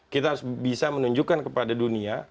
kita harus bisa menunjukkan kepada dunia